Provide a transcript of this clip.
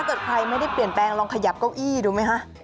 เกิดใครไม่ได้เปลี่ยนแปลงลองขยับเก้าอี้ดูไหมคะ